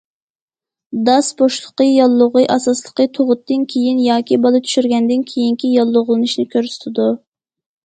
داس بوشلۇقى ياللۇغى ئاساسلىقى تۇغۇتتىن كېيىن ياكى بالا چۈشۈرگەندىن كېيىنكى ياللۇغلىنىشنى كۆرسىتىدۇ.